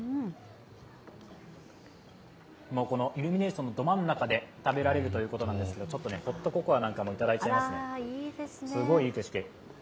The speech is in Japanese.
このイルミネーションのど真ん中で食べられるということなんですけど、ホットココアなんかもいただいちゃいますね、すごい、いい景色。